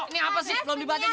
ini apa sih belum dibaca juga